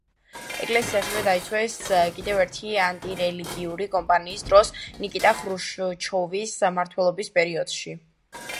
ეკლესია ასევე დაიცვეს კიდევ ერთი ანტირელიგიური კამპანიის დროს ნიკიტა ხრუშჩოვის მმართველობის პერიოდში.